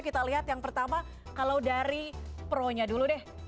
kita lihat yang pertama kalau dari pro nya dulu deh